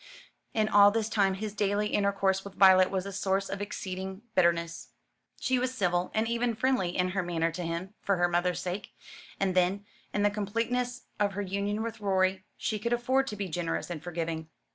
In all this time his daily intercourse with Violet was a source of exceeding bitterness. She was civil, and even friendly in her manner to him for her mother's sake. And then, in the completeness of her union with Rorie, she could afford to be generous and forgiving.